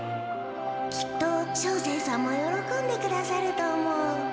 きっと照星さんもよろこんでくださると思う。